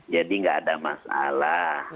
jadi tidak ada masalah